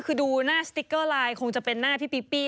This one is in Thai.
คือดูหน้าสติ๊กเกอร์ไลน์คงจะเป็นหน้าพี่ปิ้